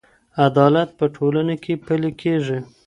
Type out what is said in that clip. عدالت په ټولنه کې پلې کیږي.